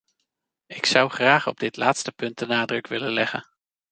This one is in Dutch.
Ik zou graag op dit laatste punt de nadruk willen leggen.